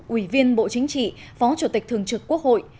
ủy viên bộ chính trị phó chủ tịch thường trực quốc hội